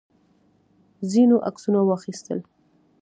ځینو عکسونه واخیستل.